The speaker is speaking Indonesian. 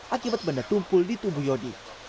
akibat benda tumpul di tubuh yodi